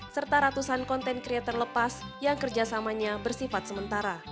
serta ratusan content creator lepas yang kerjasamanya bersifat sementara